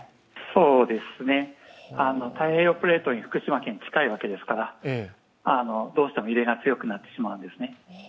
そうですね、太平洋プレートに福島県は近いわけですから、どうしても揺れが強くなってしまうんですね。